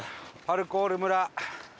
パルコール村。